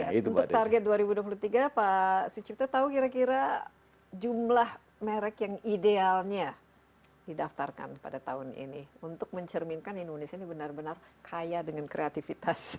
untuk target dua ribu dua puluh tiga pak sucipta tahu kira kira jumlah merek yang idealnya didaftarkan pada tahun ini untuk mencerminkan indonesia ini benar benar kaya dengan kreativitas